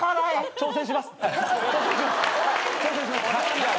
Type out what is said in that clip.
挑戦しますはい。